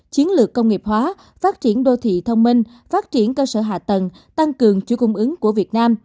chiến lược công nghiệp hóa phát triển đô thị thông minh phát triển cơ sở hạ tầng tăng cường chuỗi cung ứng của việt nam